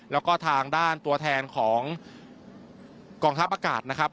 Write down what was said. แล้วก็ทางด้านตัวแทนของกองทัพอากาศนะครับ